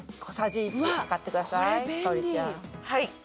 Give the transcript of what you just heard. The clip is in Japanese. はい。